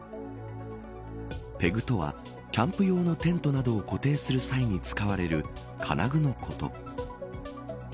ペグとはキャンプ用のテントなどを固定する際に使われる金具のこと。